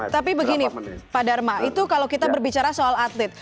tapi begini pak dharma itu kalau kita berbicara soal atlet